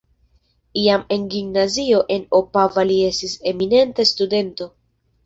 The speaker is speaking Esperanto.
Jam en gimnazio en Opava li estis eminenta studento.